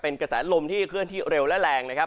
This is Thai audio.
เป็นกระแสลมที่เคลื่อนที่เร็วและแรงนะครับ